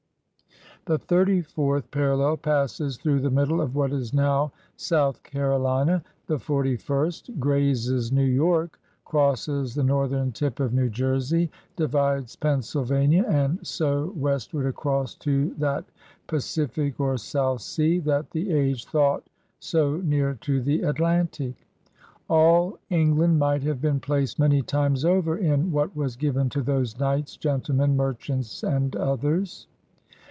The thirty fourth parallel passes through the middle of what is now South Carolina; the forty first grazes New York, crosses the northern tip of New Jersey, divides Pennsylvania, and so west ward across to that Pacific or South Sea that the age thought so near to the Atlantic. All England might have been placed many times over in what was given to those knights, gentlemen, merchants, and others.